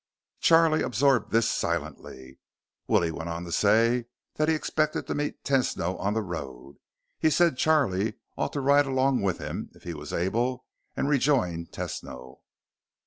Charlie absorbed this silently. Willie went on to say that he expected to meet Tesno on the road. He said Charlie ought to ride along with him, if he was able, and rejoin Tesno.